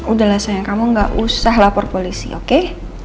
udahlah sayang kamu gak usah lapor polisi oke